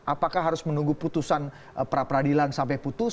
apakah harus menunggu putusan pra peradilan sampai putus